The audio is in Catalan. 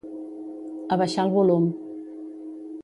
Abaixar el volum.